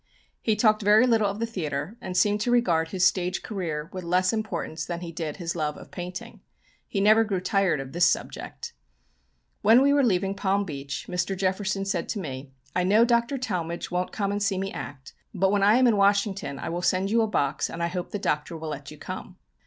He talked very little of the theatre, and seemed to regard his stage career with less importance than he did his love of painting. He never grew tired of this subject. When we were leaving Palm Beach, Mr. Jefferson said to me, "I know Dr. Talmage won't come and see me act, but when I am in Washington I will send you a box, and I hope the Doctor will let you come."